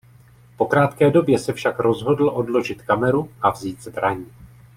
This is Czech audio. Po krátké době se však rozhodl odložit kameru a vzít zbraň.